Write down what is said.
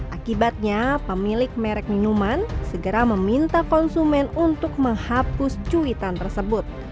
akibatnya pemilik merek minuman segera meminta konsumen untuk menghapus cuitan tersebut